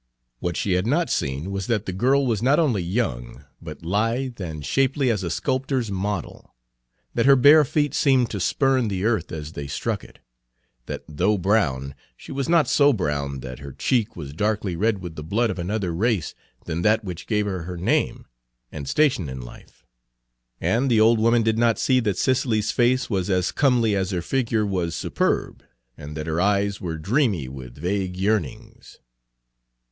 What she had not seen was that the girl was not only young, but lithe and shapely as a sculptor's model; that her bare feet seemed to spurn the earth as they struck it; that though brown, she was not so brown but that her cheek was darkly red with the blood of another race than that which gave her her name and station in life; and the old woman did not see that Cicely's face was as comely as her figure was superb, and that her eyes were dreamy with vague yearnings.